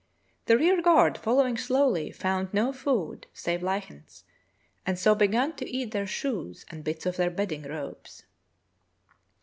The rear guard following slowly found no food save lichens, and so began to eat their shoes and bits of their bedding robes.